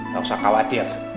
gak usah khawatir